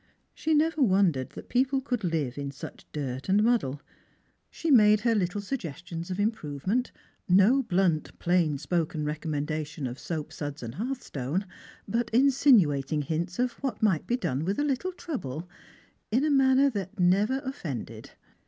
She never wondered that people could live in such dirt and muddle. She made her little suggestions of improvement — no blunt plain spoken recommendation of soap suds and hearthstone, but insinuating hints of what might be done with a little trouble — in a manner that never offended.